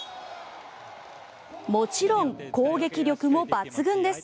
もちろん攻撃力も抜群です。